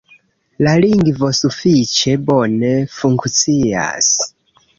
La lingvo sufiĉe bone funkcias.